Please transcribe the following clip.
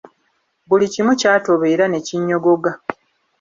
Buli kimu kyatoba era ne kinyogoga.